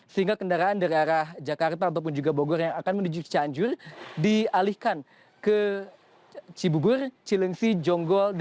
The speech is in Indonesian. sehingga kendaraan dari arah jakarta ataupun juga bogor yang akan menuju cianjur dialihkan ke cibubur cilengsi jonggol